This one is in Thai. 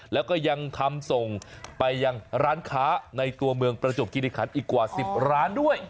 แล้วก็ยังทำส่งไปยังร้านค้าในตัวเมืองประจวบคิริคันอีกกว่า๑๐ร้านด้วย